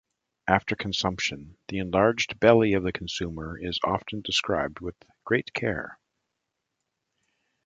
After consumption, the enlarged belly of the consumer is often described with great care.